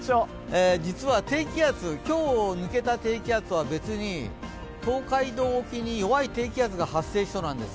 実は今日抜けた低気圧とは別に東海道沖に弱い低気圧が発生しそうなんです。